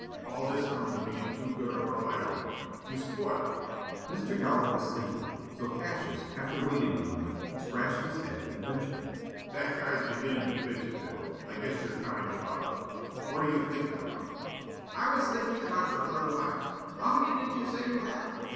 All this comes of bein' too good a provider, Bill. You spoil 'em." Mr. Yollop was thinking, so Cassius, after waiting a moment, scratched his head and ventured: "That guy's beginnin' to fidget, Bill. I guess your time's about up. What are you thinkin' about?" "I was thinking about your other wives. How many did you say you have?"